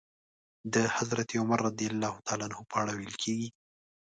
د حضرت عمر رض په اړه ويل کېږي.